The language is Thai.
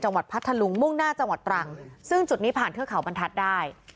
จังหวัดพัทธรุงมุ่งหน้าจังหวัดตรังซึ่งจุดนี้ผ่านเครื่องเขาบรรทัดได้